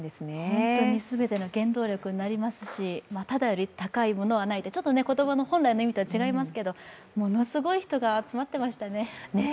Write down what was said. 本当に全ての原動力になりますし、タダより高いものはないと、言葉の本来の意味とは違いますけどものすごい人が集まってましたね。